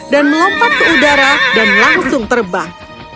dan melompat ke udara dan langsung terbang